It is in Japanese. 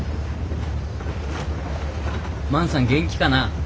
万さん元気かな？